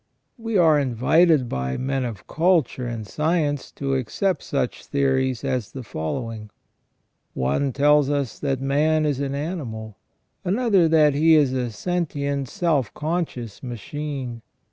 We are invited by men of culture and science to accept such theories as the following :— One tells us that man is an animal ; another that he is a sen tient, self conscious machine.